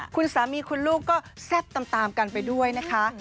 คุณสามีคุณลูกก็แซ่บตามกันไปด้วยนะคะ